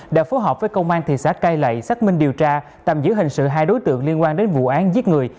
đã phối hợp với công an thị xã cai lậy xác minh điều tra tạm giữ hình sự hai đối tượng liên quan đến vụ án giết người